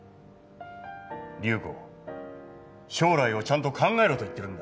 流子将来をちゃんと考えろと言ってるんだ